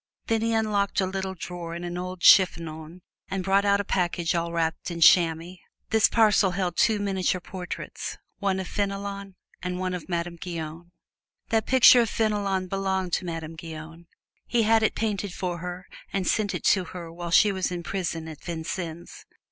Then he unlocked a little drawer in an old chiffonier and brought out a package all wrapped in chamois. This parcel held two miniature portraits, one of Fenelon and one of Madame Guyon. "That picture of Fenelon belonged to Madame Guyon. He had it painted for her and sent it to her while she was in prison at Vincennes.